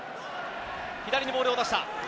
左にボールを出した。